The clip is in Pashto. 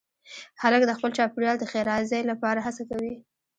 هلک د خپل چاپېریال د ښېرازۍ لپاره هڅه کوي.